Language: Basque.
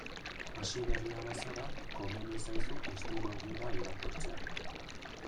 Hasiberria bazara, komeni zaizu estilo gida irakurtzea.